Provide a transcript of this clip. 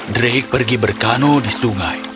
drake pergi berkanu di sungai